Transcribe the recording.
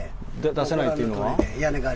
出せないというのは？